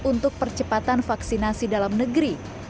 untuk percepatan vaksinasi dalam negeri